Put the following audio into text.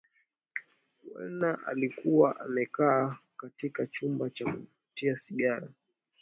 woolner alikuwa amekaa katika chumba cha kuvutia sigara